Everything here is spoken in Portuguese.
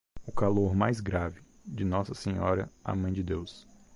O calor mais grave, de Nossa Senhora a Mãe de Deus.